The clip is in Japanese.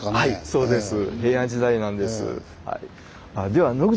そうですね。